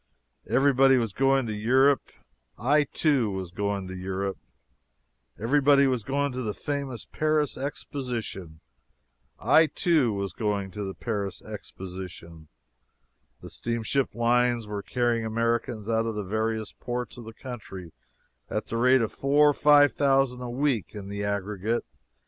Everybody was going to Europe I, too, was going to Europe. Everybody was going to the famous Paris Exposition I, too, was going to the Paris Exposition. The steamship lines were carrying Americans out of the various ports of the country at the rate of four or five thousand a week in the aggregate.